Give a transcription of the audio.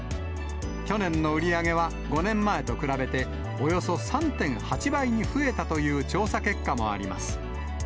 去年の売り上げは５年前と比べて、およそ３．８倍に増えたという調査結果もあります。